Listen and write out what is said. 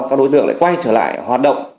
các đối tượng lại quay trở lại hoạt động